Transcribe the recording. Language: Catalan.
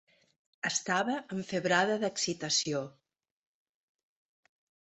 Estava enfebrada d'excitació.